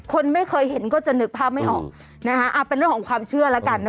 คนไม่เคยเห็นก็จะนึกภาพไม่ออกนะฮะเป็นเรื่องของความเชื่อแล้วกันนะ